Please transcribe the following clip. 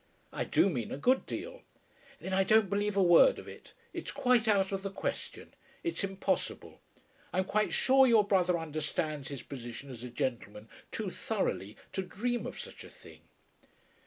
"I do mean a good deal." "Then I don't believe a word of it. It's quite out of the question. It's impossible. I'm quite sure your brother understands his position as a gentleman too thoroughly to dream of such a thing."